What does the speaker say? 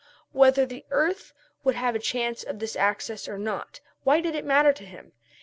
Whether the earth would have a change of the axis or not, what did it matter to him?